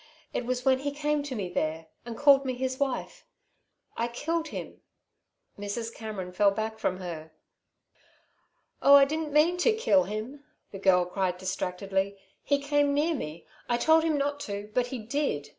It was when he came to me there and called me his wife I killed him." Mrs. Cameron fell back from her. "Oh, I didn't mean to kill him," the girl cried distractedly. "He came near me. I told him not to, but he did.